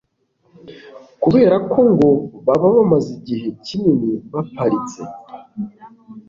kubera ko ngo baba bamaze igihe kinini baparitse